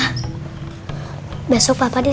sekarang untuk kamu agressif